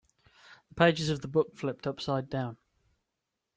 The pages of the book flipped upside down.